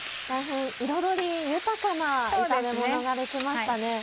彩り豊かな炒めものができましたね。